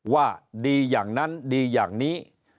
ว่าดีอย่างนั้นดีอย่างนี้